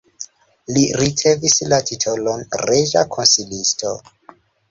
Li ricevis la titolon reĝa konsilisto.